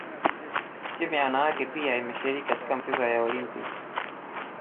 Timu ya wanawake pia imeshiriki katika michezo ya Olimpiki